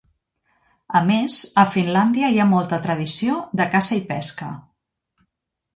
A més, a Finlàndia hi ha molta tradició de caça i pesca.